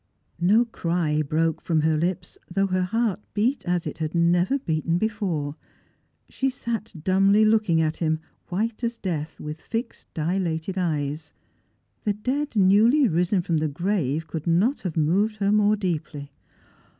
No cry broke from her lips, though her heart beat as it had never beaten before. She sat dumbly looking at him, white as death, with fixed dilated eyes. The dead newly risen from the grave could not have moved her more deeply.